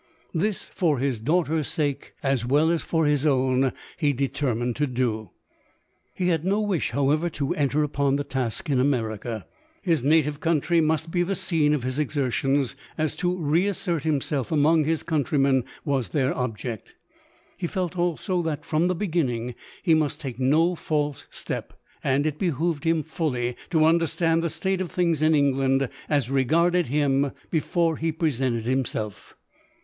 This, for his daugh ter's sake, as well as for his own, he determined to do. He had no wish, however, to enter upon the task in America. His native country must be the scene of his exertions, as to re assert himself among his countrymen was their object. He felt, also, that, from the beginning, lie must take no false step ; and it behoved him fully to understand the state of things in England as regarded him, before he presentLd himself.